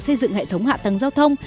xây dựng hệ thống hạ tầng giao thông